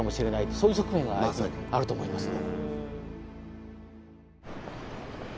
そういう側面はあると思いますね。